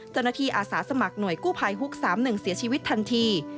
อาสาสมัครหน่วยกู้ภัยฮุก๓๑เสียชีวิตทันที